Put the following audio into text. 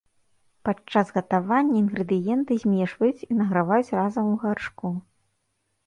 Падчас гатавання інгрэдыенты змешваюць і награваюць разам у гаршку.